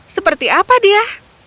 seperti apa dia